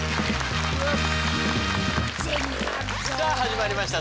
さあ始まりました